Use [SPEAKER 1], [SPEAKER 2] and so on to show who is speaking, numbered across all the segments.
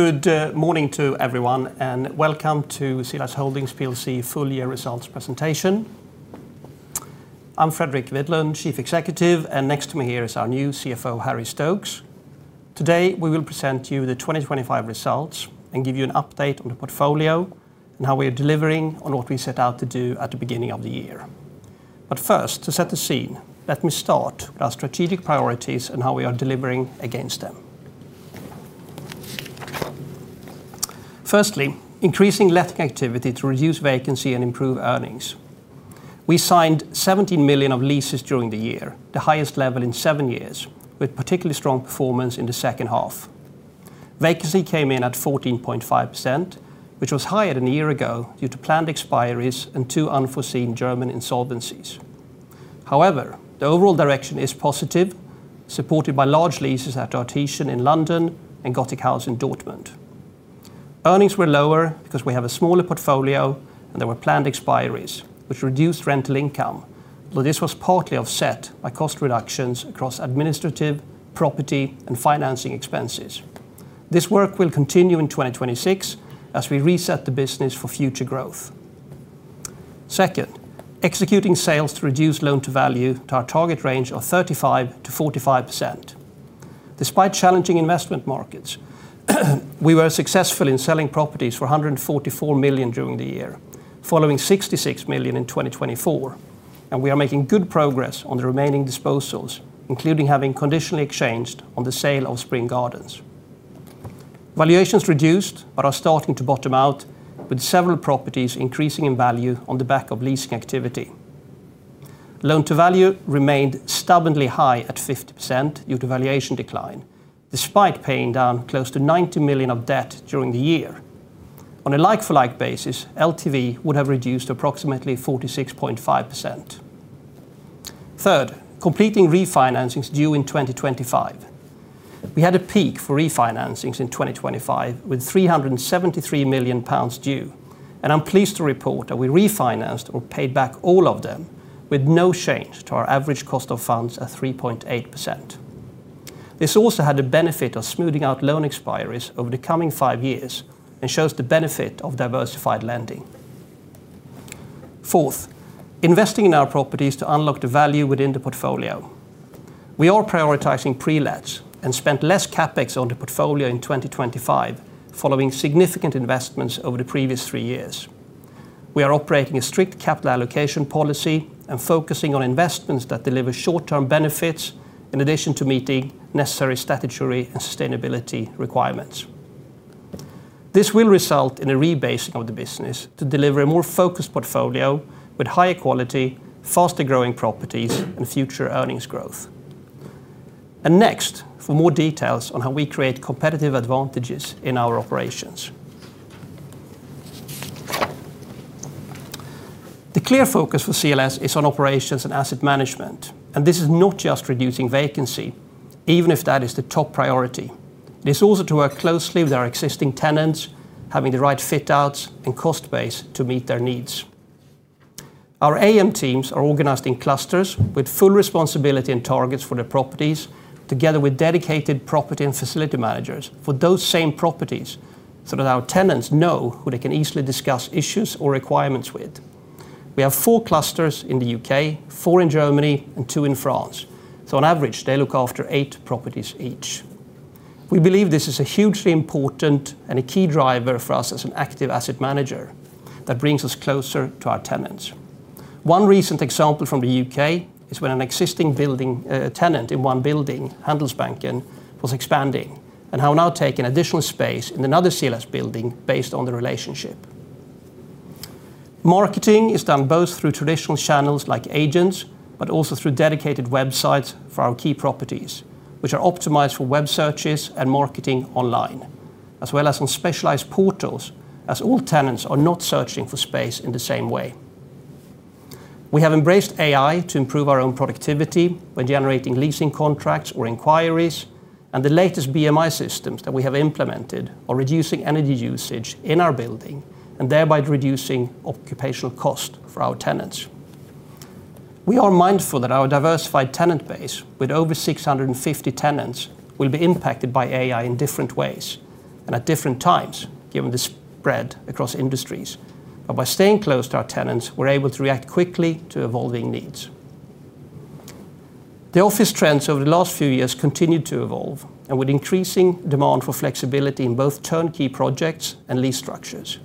[SPEAKER 1] Good morning to everyone, and welcome to CLS Holdings plc full year results presentation. I'm Fredrik Widlund, Chief Executive, and next to me here is our new CFO, Harry Stokes. Today, we will present to you the 2025 results and give you an update on the portfolio and how we are delivering on what we set out to do at the beginning of the year. First, to set the scene, let me start with our strategic priorities and how we are delivering against them. Firstly, increasing letting activity to reduce vacancy and improve earnings. We signed 70 million of leases during the year, the highest level in seven years, with particularly strong performance in the second half. Vacancy came in at 14.5%, which was higher than a year ago due to planned expiries and two unforeseen German insolvencies. However, the overall direction is positive, supported by large leases at Artesian in London and Gothic House in Dortmund. Earnings were lower because we have a smaller portfolio, and there were planned expiries, which reduced rental income, but this was partly offset by cost reductions across administrative, property, and financing expenses. This work will continue in 2026 as we reset the business for future growth. Second, executing sales to reduce loan-to-value to our target range of 35%-45%. Despite challenging investment markets, we were successful in selling properties for 144 million during the year, following 66 million in 2024, and we are making good progress on the remaining disposals, including having conditionally exchanged on the sale of Spring Gardens. Valuations reduced but are starting to bottom out, with several properties increasing in value on the back of leasing activity. Loan to value remained stubbornly high at 50% due to valuation decline, despite paying down close to 90 million of debt during the year. On a like-for-like basis, LTV would have reduced approximately 46.5%. Third, completing refinancings due in 2025. We had a peak for refinancings in 2025, with 373 million pounds due, and I'm pleased to report that we refinanced or paid back all of them with no change to our average cost of funds at 3.8%. This also had the benefit of smoothing out loan expiries over the coming 5 years and shows the benefit of diversified lending. Fourth, investing in our properties to unlock the value within the portfolio. We are prioritizing pre-lets and spent less CapEx on the portfolio in 2025 following significant investments over the previous three years. We are operating a strict capital allocation policy and focusing on investments that deliver short-term benefits in addition to meeting necessary statutory and sustainability requirements. This will result in a rebasing of the business to deliver a more focused portfolio with higher quality, faster growing properties and future earnings growth. Next, for more details on how we create competitive advantages in our operations. The clear focus for CLS is on operations and asset management, and this is not just reducing vacancy, even if that is the top priority. It is also to work closely with our existing tenants, having the right fit outs and cost base to meet their needs. Our AM teams are organized in clusters with full responsibility and targets for the properties, together with dedicated property and facility managers for those same properties, so that our tenants know who they can easily discuss issues or requirements with. We have four clusters in the UK, four in Germany, and two in France. On average, they look after eight properties each. We believe this is a hugely important and a key driver for us as an active asset manager that brings us closer to our tenants. One recent example from the UK is when an existing building tenant in one building, Handelsbanken, was expanding and have now taken additional space in another CLS building based on the relationship. Marketing is done both through traditional channels like agents, but also through dedicated websites for our key properties, which are optimized for web searches and marketing online, as well as on specialized portals, as all tenants are not searching for space in the same way. We have embraced AI to improve our own productivity when generating leasing contracts or inquiries and the latest BMS systems that we have implemented are reducing energy usage in our building and thereby reducing occupational cost for our tenants. We are mindful that our diversified tenant base with over 650 tenants will be impacted by AI in different ways and at different times, given the spread across industries. By staying close to our tenants, we're able to react quickly to evolving needs. The office trends over the last few years continued to evolve and with increasing demand for flexibility in both turnkey projects and lease structures.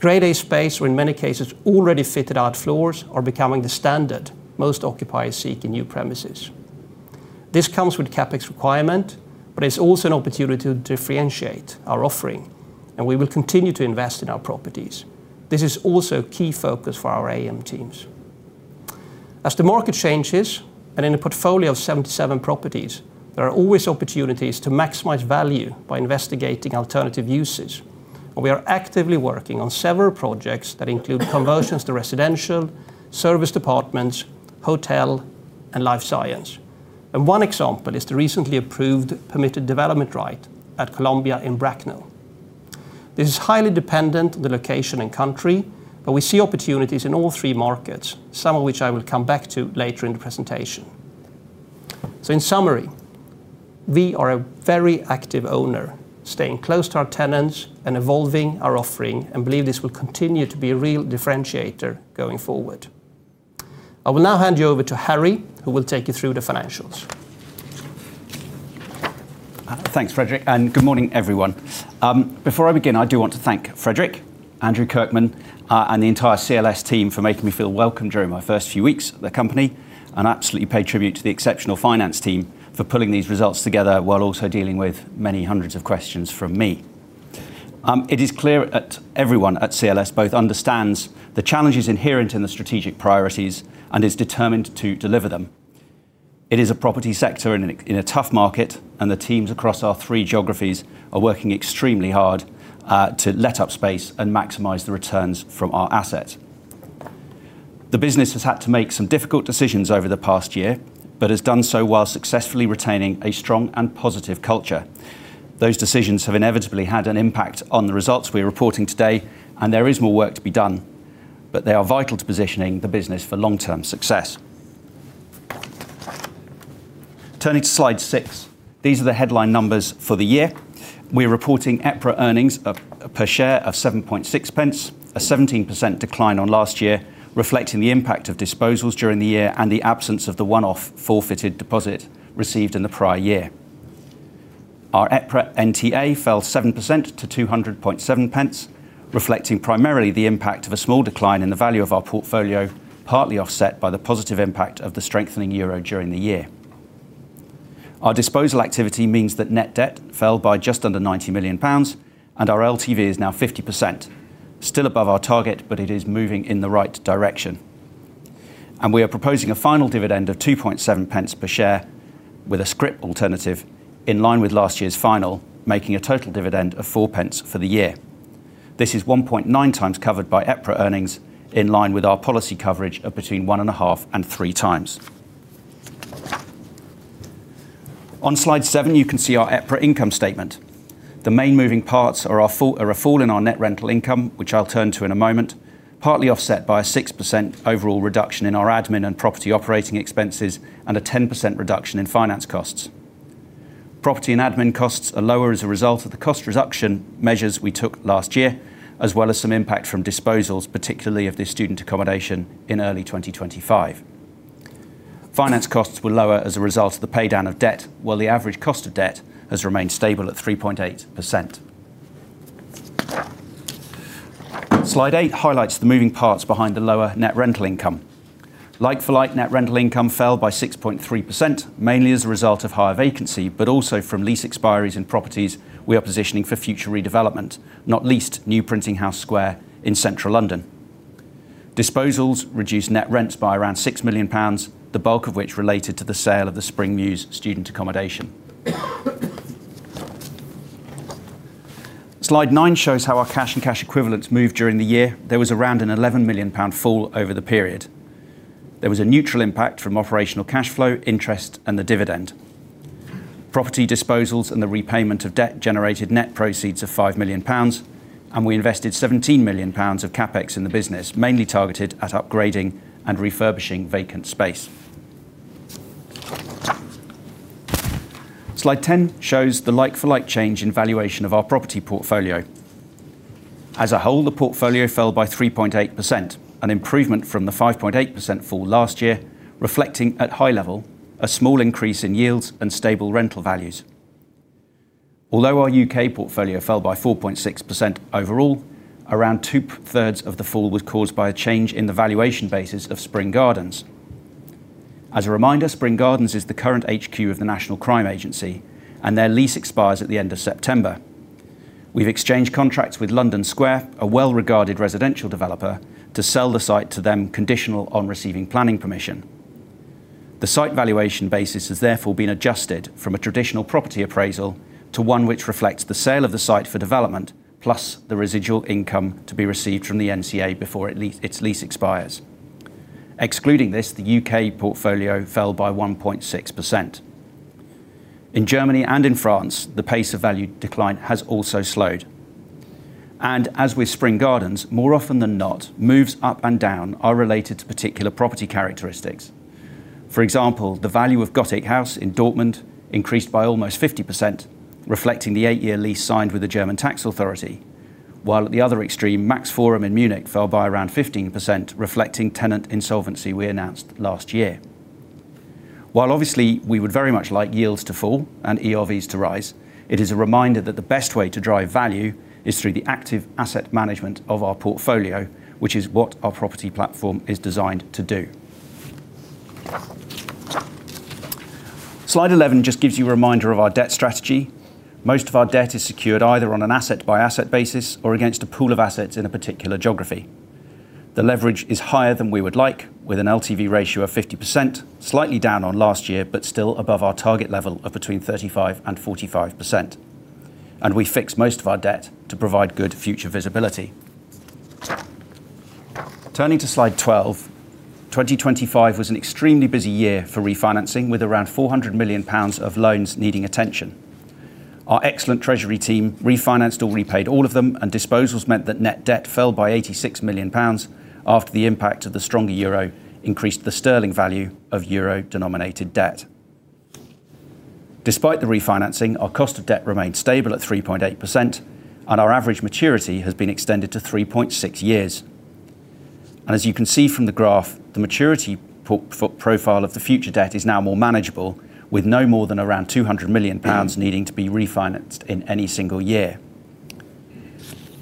[SPEAKER 1] Grade A space or in many cases, already fitted out floors are becoming the standard most occupiers seek in new premises. This comes with CapEx requirement, but it's also an opportunity to differentiate our offering, and we will continue to invest in our properties. This is also a key focus for our AM teams. As the market changes and in a portfolio of 77 properties, there are always opportunities to maximize value by investigating alternative usage. We are actively working on several projects that include conversions to residential, serviced apartments, hotel, and life science. One example is the recently approved Permitted Development Right at Columbia Centre in Bracknell. This is highly dependent on the location and country, but we see opportunities in all three markets, some of which I will come back to later in the presentation. In summary, we are a very active owner, staying close to our tenants and evolving our offering, and believe this will continue to be a real differentiator going forward. I will now hand you over to Harry, who will take you through the financials.
[SPEAKER 2] Thanks, Fredrik, and good morning, everyone. Before I begin, I do want to thank Fredrik, Andrew Kirkman, and the entire CLS team for making me feel welcome during my first few weeks at the company, and absolutely pay tribute to the exceptional finance team for pulling these results together while also dealing with many hundreds of questions from me. It is clear that everyone at CLS both understands the challenges inherent in the strategic priorities and is determined to deliver them. It is a property sector in a tough market, and the teams across our three geographies are working extremely hard to lease up space and maximize the returns from our assets. The business has had to make some difficult decisions over the past year, but has done so while successfully retaining a strong and positive culture. Those decisions have inevitably had an impact on the results we're reporting today, and there is more work to be done, but they are vital to positioning the business for long-term success. Turning to slide 6, these are the headline numbers for the year. We're reporting EPRA earnings of per share of 7.6 pence, a 17% decline on last year, reflecting the impact of disposals during the year and the absence of the one-off forfeited deposit received in the prior year. Our EPRA NTA fell 7% to 200.7 pence, reflecting primarily the impact of a small decline in the value of our portfolio, partly offset by the positive impact of the strengthening euro during the year. Our disposal activity means that net debt fell by just under 90 million pounds, and our LTV is now 50%. Still above our target, but it is moving in the right direction. We are proposing a final dividend of 0.027 per share with a scrip alternative in line with last year's final, making a total dividend of 0.04 for the year. This is 1.9 times covered by EPRA earnings in line with our policy coverage of between one and a half and three times. On slide 7, you can see our EPRA income statement. The main moving parts are a fall in our net rental income, which I'll turn to in a moment, partly offset by a 6% overall reduction in our admin and property operating expenses, and a 10% reduction in finance costs. Property and admin costs are lower as a result of the cost reduction measures we took last year, as well as some impact from disposals, particularly of the student accommodation in early 2025. Finance costs were lower as a result of the pay down of debt, while the average cost of debt has remained stable at 3.8%. Slide 8 highlights the moving parts behind the lower net rental income. Like-for-like, net rental income fell by 6.3%, mainly as a result of higher vacancy, but also from lease expiries in properties we are positioning for future redevelopment, not least New Printing House Square in central London. Disposals reduced net rents by around 6 million pounds, the bulk of which related to the sale of the Spring Mews student accommodation. Slide 9 shows how our cash and cash equivalents moved during the year. There was around an 11 million pound fall over the period. There was a neutral impact from operational cash flow, interest, and the dividend. Property disposals and the repayment of debt generated net proceeds of 5 million pounds, and we invested 17 million pounds of CapEx in the business, mainly targeted at upgrading and refurbishing vacant space. Slide 10 shows the like-for-like change in valuation of our property portfolio. As a whole, the portfolio fell by 3.8%, an improvement from the 5.8% fall last year, reflecting at a high level a small increase in yields and stable rental values. Although our UK portfolio fell by 4.6% overall, around two-thirds of the fall was caused by a change in the valuation basis of Spring Gardens. As a reminder, Spring Gardens is the current HQ of the National Crime Agency, and their lease expires at the end of September. We've exchanged contracts with London Square, a well-regarded residential developer, to sell the site to them conditional on receiving planning permission. The site valuation basis has therefore been adjusted from a traditional property appraisal to one which reflects the sale of the site for development, plus the residual income to be received from the NCA before its lease expires. Excluding this, the UK portfolio fell by 1.6%. In Germany and in France, the pace of value decline has also slowed. As with Spring Gardens, more often than not, moves up and down are related to particular property characteristics. For example, the value of Gothic House in Dortmund increased by almost 50%, reflecting the 8-year lease signed with the German tax authority. While at the other extreme, Maximilian Forum in Munich fell by around 15%, reflecting tenant insolvency we announced last year. While obviously we would very much like yields to fall and ERVs to rise, it is a reminder that the best way to drive value is through the active asset management of our portfolio, which is what our property platform is designed to do. Slide 11 just gives you a reminder of our debt strategy. Most of our debt is secured either on an asset-by-asset basis or against a pool of assets in a particular geography. The leverage is higher than we would like, with an LTV ratio of 50%, slightly down on last year, but still above our target level of between 35% and 45%. We fix most of our debt to provide good future visibility. Turning to slide 12, 2025 was an extremely busy year for refinancing, with around 400 million pounds of loans needing attention. Our excellent treasury team refinanced or repaid all of them, and disposals meant that net debt fell by 86 million pounds after the impact of the stronger euro increased the sterling value of euro-denominated debt. Despite the refinancing, our cost of debt remained stable at 3.8%, and our average maturity has been extended to 3.6 years. As you can see from the graph, the maturity profile of the future debt is now more manageable, with no more than around 200 million pounds needing to be refinanced in any single year.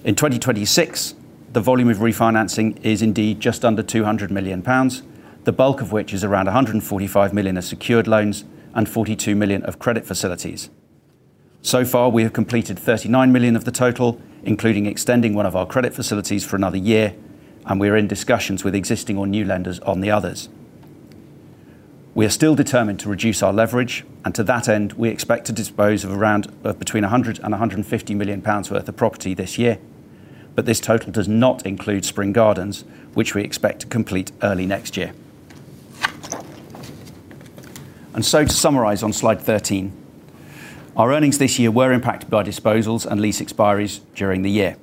[SPEAKER 2] In 2026, the volume of refinancing is indeed just under 200 million pounds, the bulk of which is around 145 million of secured loans and 42 million of credit facilities. Far, we have completed 39 million of the total, including extending one of our credit facilities for another year, and we are in discussions with existing or new lenders on the others. We are still determined to reduce our leverage, and to that end, we expect to dispose of around between 100 million and 150 million pounds worth of property this year. This total does not include Spring Gardens, which we expect to complete early next year. To summarize on slide 13, our earnings this year were impacted by disposals and lease expiries during the year.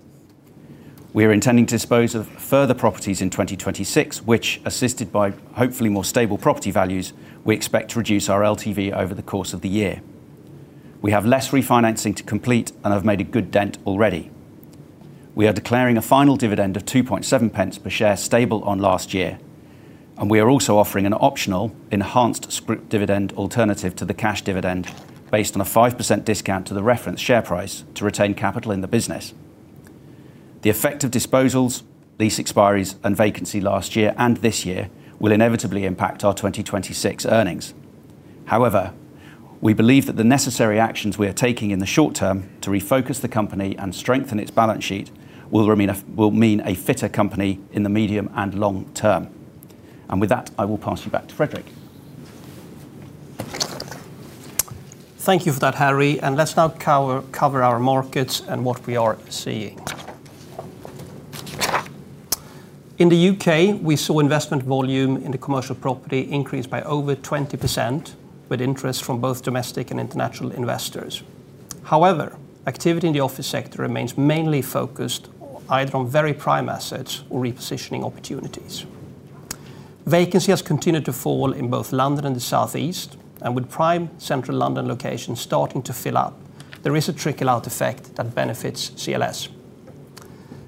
[SPEAKER 2] We are intending to dispose of further properties in 2026, which, assisted by hopefully more stable property values, we expect to reduce our LTV over the course of the year. We have less refinancing to complete and have made a good dent already. We are declaring a final dividend of 2.7 pence per share, stable on last year. We are also offering an optional enhanced scrip dividend alternative to the cash dividend based on a 5% discount to the reference share price to retain capital in the business. The effect of disposals, lease expiries, and vacancy last year and this year will inevitably impact our 2026 earnings. However, we believe that the necessary actions we are taking in the short term to refocus the company and strengthen its balance sheet will mean a fitter company in the medium and long term. With that, I will pass you back to Fredrik.
[SPEAKER 1] Thank you for that, Harry. Let's now cover our markets and what we are seeing. In the UK, we saw investment volume in the commercial property increase by over 20%, with interest from both domestic and international investors. However, activity in the office sector remains mainly focused either on very prime assets or repositioning opportunities. Vacancy has continued to fall in both London and the Southeast, and with prime central London locations starting to fill up, there is a trickle-out effect that benefits CLS.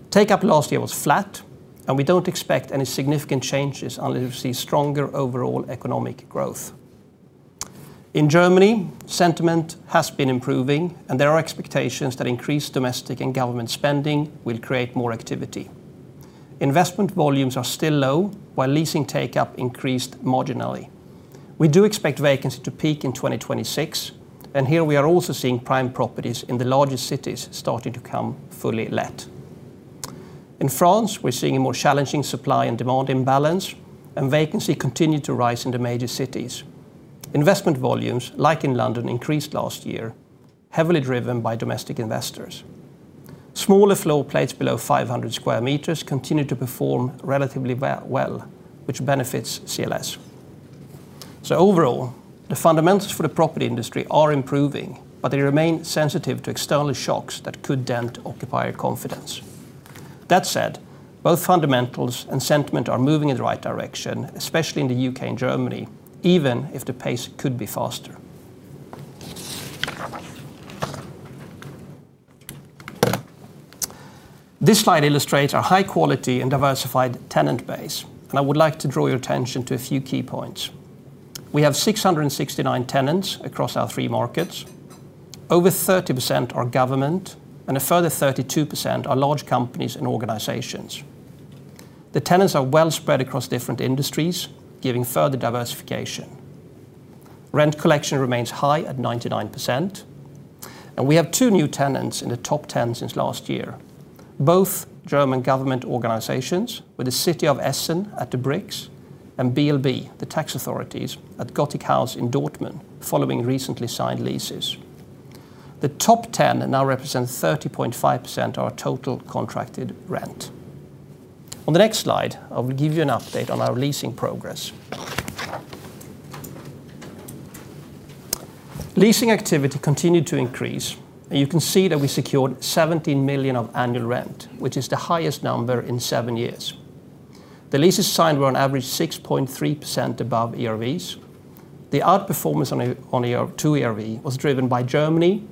[SPEAKER 1] Take-up last year was flat, and we don't expect any significant changes until we see stronger overall economic growth. In Germany, sentiment has been improving, and there are expectations that increased domestic and government spending will create more activity. Investment volumes are still low, while leasing take-up increased marginally. We do expect vacancy to peak in 2026, and here we are also seeing prime properties in the largest cities starting to come fully let. In France, we're seeing a more challenging supply and demand imbalance, and vacancy continued to rise in the major cities. Investment volumes, like in London, increased last year, heavily driven by domestic investors. Smaller floor plates below 500 square meters continue to perform relatively well, which benefits CLS. Overall, the fundamentals for the property industry are improving, but they remain sensitive to external shocks that could dent occupier confidence. That said, both fundamentals and sentiment are moving in the right direction, especially in the UK and Germany, even if the pace could be faster. This slide illustrates our high quality and diversified tenant base, and I would like to draw your attention to a few key points. We have 669 tenants across our three markets. Over 30% are government, and a further 32% are large companies and organizations. The tenants are well spread across different industries, giving further diversification. Rent collection remains high at 99%, and we have two new tenants in the top 10 since last year. Both German government organizations, with the city of Essen at The Bricks and BLB, the tax authorities, at Gotic Haus in Dortmund following recently signed leases. The top 10 now represent 30.5% of our total contracted rent. On the next slide, I will give you an update on our leasing progress. Leasing activity continued to increase, and you can see that we secured 17 million of annual rent, which is the highest number in seven years. The leases signed were on average 6.3% above ERVs. The outperformance on ERV to ERV was driven by Germany,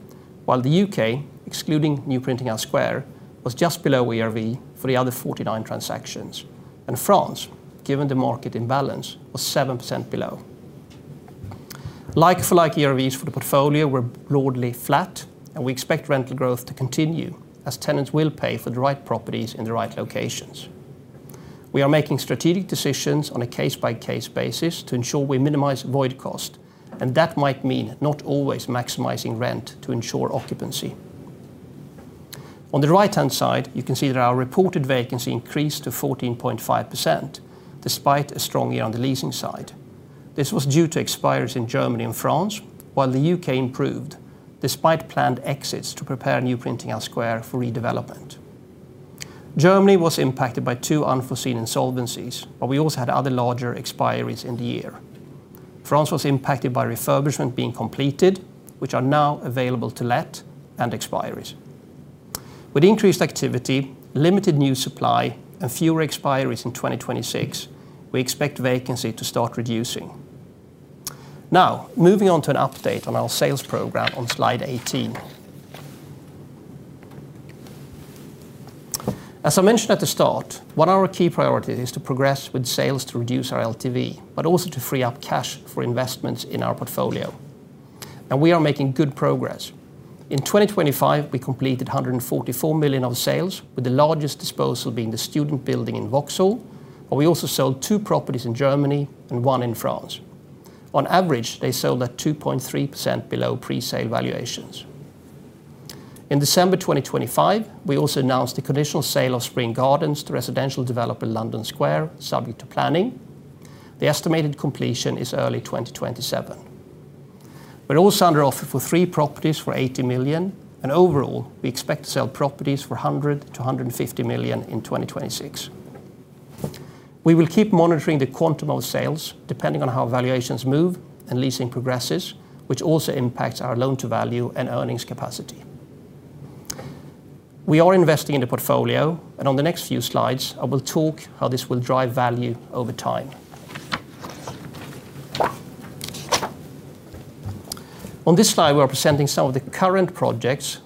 [SPEAKER 1] while the UK, excluding New Printing House Square, was just below ERV for the other 49 transactions. France, given the market imbalance, was 7% below. Like-for-like ERVs for the portfolio were broadly flat, and we expect rental growth to continue as tenants will pay for the right properties in the right locations. We are making strategic decisions on a case-by-case basis to ensure we minimize void cost, and that might mean not always maximizing rent to ensure occupancy. On the right-hand side, you can see that our reported vacancy increased to 14.5% despite a strong year on the leasing side. This was due to expiries in Germany and France, while the UK improved despite planned exits to prepare New Printing House Square for redevelopment. Germany was impacted by two unforeseen insolvencies, but we also had other larger expiries in the year. France was impacted by refurbishment being completed, which are now available to let and expiries. With increased activity, limited new supply, and fewer expiries in 2026, we expect vacancy to start reducing. Now, moving on to an update on our sales program on slide 18. As I mentioned at the start, one of our key priorities is to progress with sales to reduce our LTV, but also to free up cash for investments in our portfolio. We are making good progress. In 2025, we completed 144 million of sales, with the largest disposal being the student building in Vauxhall, and we also sold two properties in Germany and one in France. On average, they sold at 2.3% below pre-sale valuations. In December 2025, we also announced the conditional sale of Spring Gardens to residential developer London Square, subject to planning. The estimated completion is early 2027. We're also under offer for three properties for 80 million, and overall, we expect to sell properties for 100 million-150 million in 2026. We will keep monitoring the quantum of sales depending on how valuations move and leasing progresses, which also impacts our loan-to-value and earnings capacity. We are investing in the portfolio, and on the next few slides, I will talk how this will drive value over time. On this slide, we are presenting some of the current projects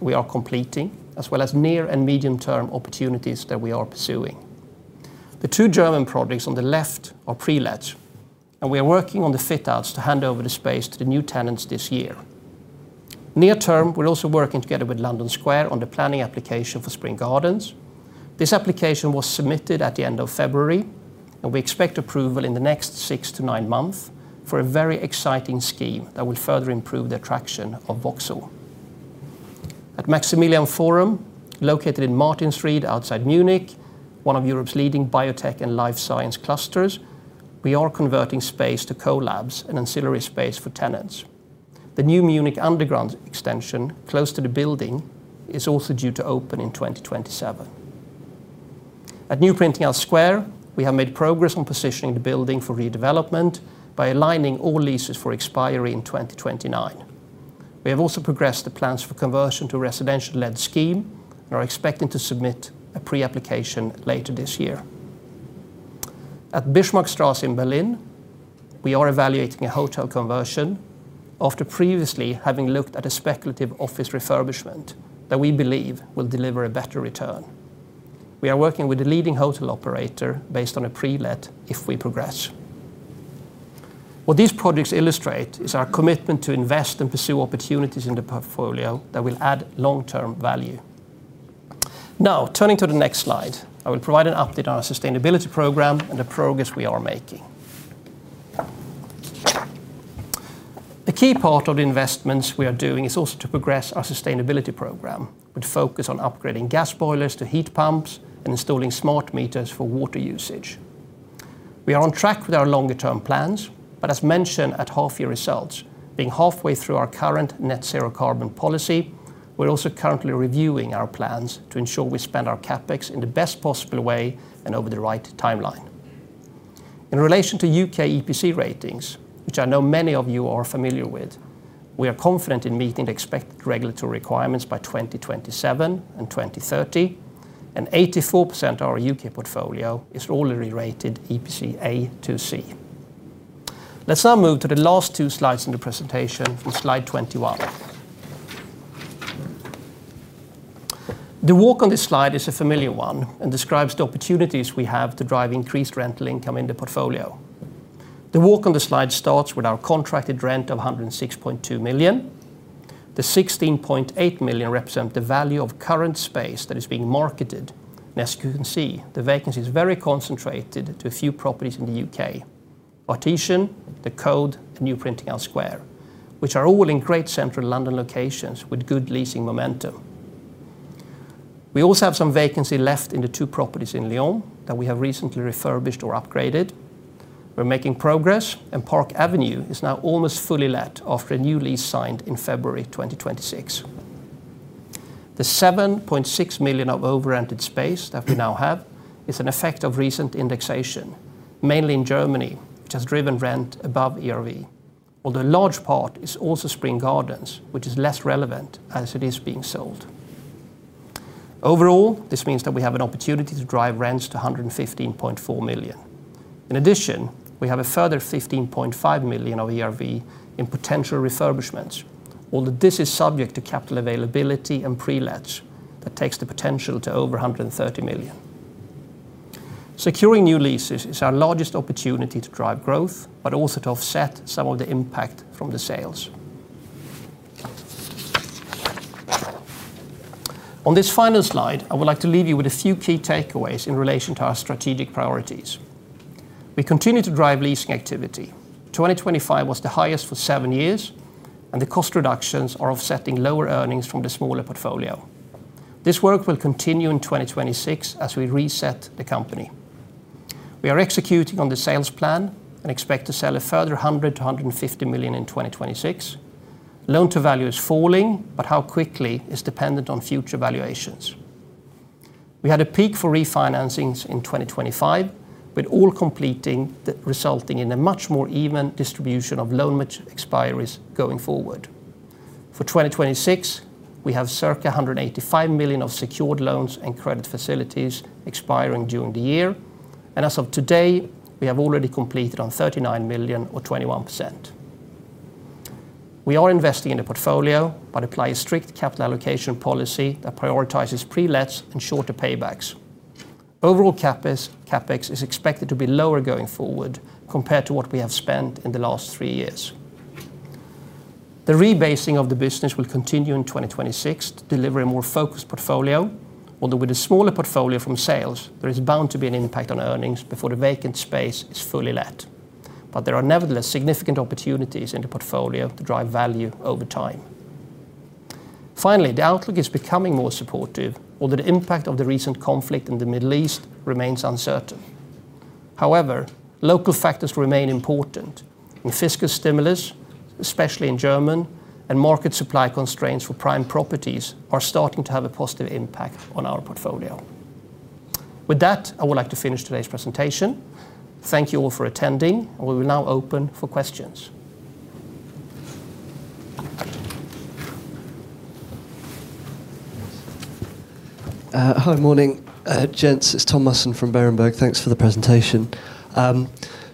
[SPEAKER 1] we are completing, as well as near and medium-term opportunities that we are pursuing. The two German projects on the left are pre-let, and we are working on the fit outs to hand over the space to the new tenants this year. Near-term, we're also working together with London Square on the planning application for Spring Gardens. This application was submitted at the end of February, and we expect approval in the next 6-9 months for a very exciting scheme that will further improve the attraction of Vauxhall. At Maximilian Forum, located in Martinsried outside Munich, one of Europe's leading biotech and life science clusters, we are converting space to CoLabs and ancillary space for tenants. The new Munich underground extension close to the building is also due to open in 2027. At New Printing House Square, we have made progress on positioning the building for redevelopment by aligning all leases for expiry in 2029. We have also progressed the plans for conversion to a residential-led scheme and are expecting to submit a pre-application later this year. At Bismarckstraße in Berlin, we are evaluating a hotel conversion after previously having looked at a speculative office refurbishment that we believe will deliver a better return. We are working with a leading hotel operator based on a pre-let if we progress. What these projects illustrate is our commitment to invest and pursue opportunities in the portfolio that will add long-term value. Now, turning to the next slide, I will provide an update on our sustainability program and the progress we are making. A key part of the investments we are doing is also to progress our sustainability program, with focus on upgrading gas boilers to heat pumps and installing smart meters for water usage. We are on track with our longer-term plans, as mentioned at half-year results, being halfway through our current net zero carbon policy, we're also currently reviewing our plans to ensure we spend our CapEx in the best possible way and over the right timeline. In relation to U.K. EPC ratings, which I know many of you are familiar with, we are confident in meeting the expected regulatory requirements by 2027 and 2030, and 84% of our U.K. portfolio is already rated EPC A to C. Let's now move to the last two slides in the presentation on slide 21. The walk on this slide is a familiar one and describes the opportunities we have to drive increased rental income in the portfolio. The walk on the slide starts with our contracted rent of 106.2 million. The 16.8 million represent the value of current space that is being marketed. As you can see, the vacancy is very concentrated to a few properties in the UK: Partition, The Code, and New Printing House Square, which are all in great Central London locations with good leasing momentum. We also have some vacancy left in the two properties in Lyon that we have recently refurbished or upgraded. We're making progress, and Park Avenue is now almost fully let after a new lease signed in February 2026. The 7.6 million of over-rented space that we now have is an effect of recent indexation, mainly in Germany, which has driven rent above ERV. Although a large part is also Spring Gardens, which is less relevant as it is being sold. Overall, this means that we have an opportunity to drive rents to 115.4 million. In addition, we have a further 15.5 million of ERV in potential refurbishments, although this is subject to capital availability and pre-lets, that takes the potential to over 130 million. Securing new leases is our largest opportunity to drive growth, but also to offset some of the impact from the sales. On this final slide, I would like to leave you with a few key takeaways in relation to our strategic priorities. We continue to drive leasing activity. 2025 was the highest for 7 years, and the cost reductions are offsetting lower earnings from the smaller portfolio. This work will continue in 2026 as we reset the company. We are executing on the sales plan, and expect to sell a further 100-150 million in 2026. Loan to value is falling, but how quickly is dependent on future valuations. We had a peak for refinancings in 2025, with all completing, resulting in a much more even distribution of loan maturities expiries going forward. For 2026, we have circa 185 million of secured loans and credit facilities expiring during the year. As of today, we have already completed on 39 million or 21%. We are investing in a portfolio, but apply a strict capital allocation policy that prioritizes pre-lets and shorter paybacks. Overall CapEx is expected to be lower going forward compared to what we have spent in the last three years. The rebasing of the business will continue in 2026, to deliver a more focused portfolio. Although with a smaller portfolio from sales, there is bound to be an impact on earnings before the vacant space is fully let. There are nevertheless significant opportunities in the portfolio to drive value over time. Finally, the outlook is becoming more supportive, although the impact of the recent conflict in the Middle East remains uncertain. Local factors remain important, and fiscal stimulus, especially in Germany, and market supply constraints for prime properties are starting to have a positive impact on our portfolio. With that, I would like to finish today's presentation. Thank you all for attending, and we will now open for questions.
[SPEAKER 3] Hi. Morning, gents. It's Tom Musson from Berenberg. Thanks for the presentation.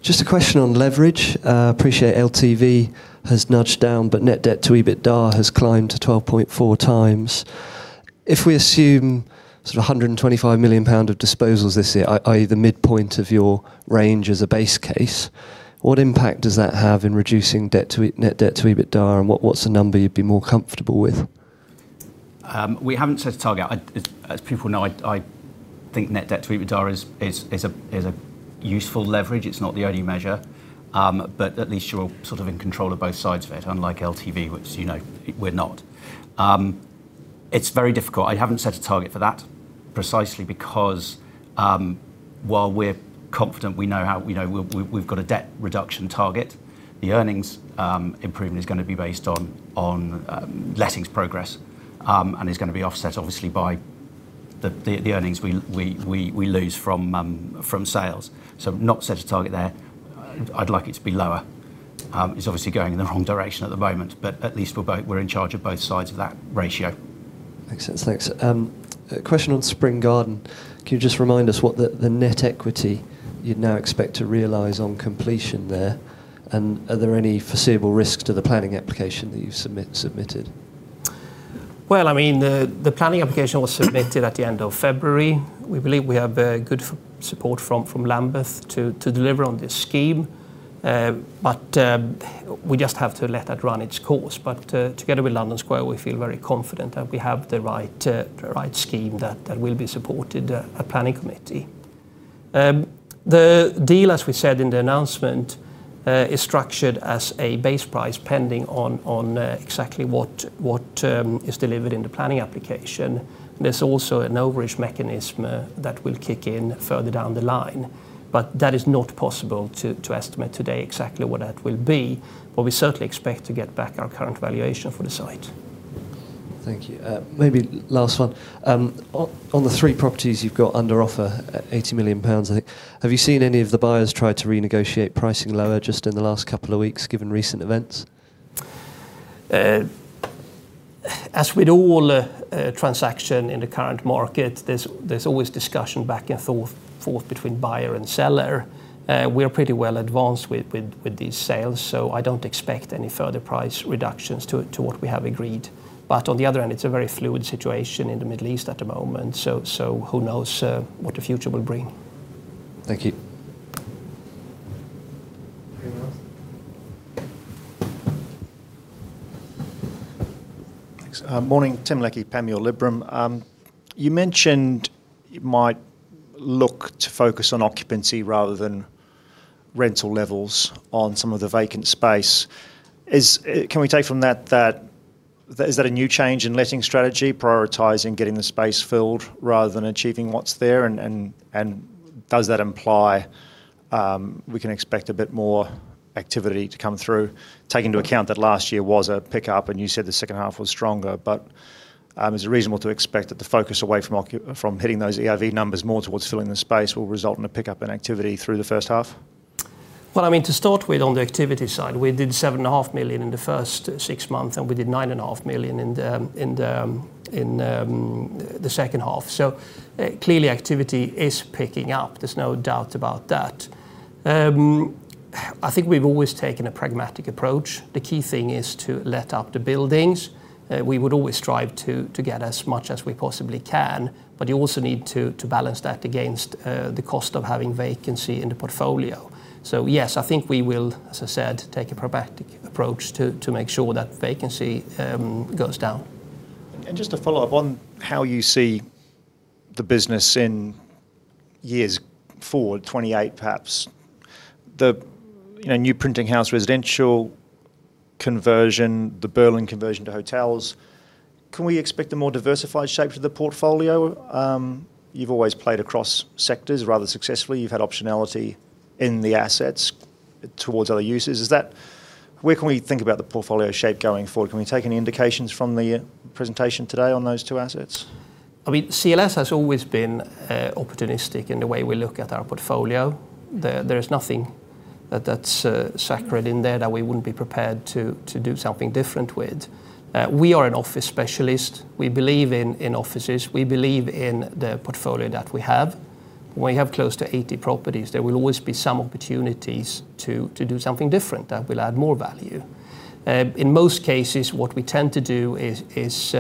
[SPEAKER 3] Just a question on leverage. Appreciate LTV has nudged down, but net debt to EBITDA has climbed to 12.4 times. If we assume sort of 125 million pound of disposals this year, i.e. the midpoint of your range as a base case, what impact does that have in reducing net debt to EBITDA, and what's a number you'd be more comfortable with?
[SPEAKER 1] We haven't set a target. As people know, I think net debt to EBITDA is a useful leverage. It's not the only measure. At least you're sort of in control of both sides of it, unlike LTV, which, you know, we're not. It's very difficult. I haven't set a target for that precisely because while we're confident we know we've got a debt reduction target, the earnings improvement is gonna be based on lettings progress, and is gonna be offset obviously by the earnings we lose from sales. Not set a target there. I'd like it to be lower. It's obviously going in the wrong direction at the moment, but at least we're both. We're in charge of both sides of that ratio.
[SPEAKER 3] Makes sense. Thanks. A question on Spring Gardens. Can you just remind us what the net equity you'd now expect to realize on completion there, and are there any foreseeable risks to the planning application that you submitted?
[SPEAKER 1] Well, I mean, the planning application was submitted at the end of February. We believe we have good support from Lambeth to deliver on this scheme. We just have to let that run its course. Together with London Square, we feel very confident that we have the right scheme that will be supported at planning committee. The deal, as we said in the announcement, is structured as a base price depending on exactly what is delivered in the planning application. There's also an overage mechanism that will kick in further down the line. That is not possible to estimate today exactly what that will be. We certainly expect to get back our current valuation for the site.
[SPEAKER 3] Thank you. Maybe last one. On the three properties you've got under offer at 80 million pounds I think, have you seen any of the buyers try to renegotiate pricing lower just in the last couple of weeks given recent events?
[SPEAKER 1] As with all transaction in the current market, there's always discussion back and forth between buyer and seller. We're pretty well advanced with these sales, so I don't expect any further price reductions to what we have agreed. On the other hand, it's a very fluid situation in the Middle East at the moment. Who knows what the future will bring.
[SPEAKER 3] Thank you.
[SPEAKER 4] Thanks. Morning. Tim Leckie, Panmure Liberum. You mentioned you might look to focus on occupancy rather than rental levels on some of the vacant space. Can we take from that that, is that a new change in letting strategy, prioritizing getting the space filled rather than achieving what's there? And does that imply, we can expect a bit more activity to come through, taking into account that last year was a pickup, and you said the second half was stronger. Is it reasonable to expect that the focus away from hitting those ERV numbers more towards filling the space will result in a pickup in activity through the first half?
[SPEAKER 1] Well, I mean, to start with on the activity side, we did 7.5 million in the first six months, and we did 9.5 million in the second half. Clearly activity is picking up. There's no doubt about that. I think we've always taken a pragmatic approach. The key thing is to let out the buildings. We would always strive to get as much as we possibly can, but you also need to balance that against the cost of having vacancy in the portfolio. Yes, I think we will, as I said, take a pragmatic approach to make sure that vacancy goes down.
[SPEAKER 4] Just to follow up on how you see the business in years forward, 2028 perhaps, you know, New Printing House residential conversion, the Berlin conversion to hotels, can we expect a more diversified shape to the portfolio? You've always played across sectors rather successfully. You've had optionality in the assets towards other uses. Is that where can we think about the portfolio shape going forward? Can we take any indications from the presentation today on those two assets?
[SPEAKER 1] I mean, CLS has always been opportunistic in the way we look at our portfolio. There is nothing that's sacred in there that we wouldn't be prepared to do something different with. We are an office specialist. We believe in offices. We believe in the portfolio that we have. We have close to 80 properties. There will always be some opportunities to do something different that will add more value. In most cases, what we tend to do is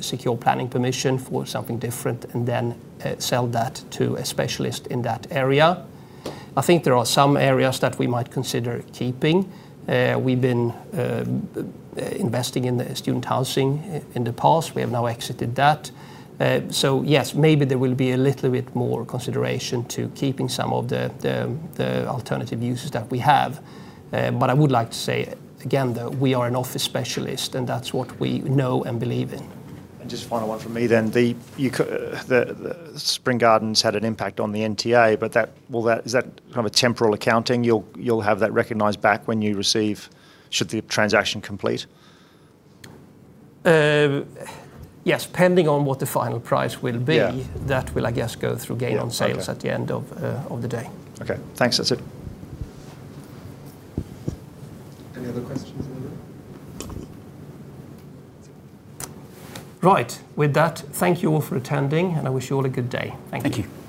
[SPEAKER 1] secure planning permission for something different and then sell that to a specialist in that area. I think there are some areas that we might consider keeping. We've been investing in the student housing in the past. We have now exited that. Yes, maybe there will be a little bit more consideration to keeping some of the alternative uses that we have. I would like to say again that we are an office specialist, and that's what we know and believe in.
[SPEAKER 4] Just final one from me then. The Spring Gardens had an impact on the NTA, but is that kind of a temporal accounting? You'll have that recognized back when you receive, should the transaction complete?
[SPEAKER 1] Yes. Depending on what the final price will be.
[SPEAKER 4] Yeah
[SPEAKER 1] That will, I guess, go through gain on sales.
[SPEAKER 4] Yeah. Okay.
[SPEAKER 1] At the end of the day.
[SPEAKER 4] Okay. Thanks. That's it.
[SPEAKER 1] Any other questions anybody? Right. With that, thank you all for attending, and I wish you all a good day. Thank you.